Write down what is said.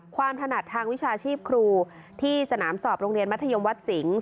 ถนัดทางวิชาชีพครูที่สนามสอบโรงเรียนมัธยมวัดสิงห